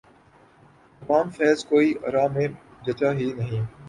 مقام فیضؔ کوئی راہ میں جچا ہی نہیں